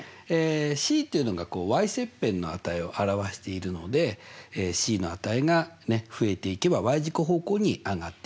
ｃっていうのが切片の値を表しているのでｃの値が増えていけば軸方向に上がっていく。